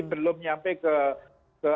belum nyampe ke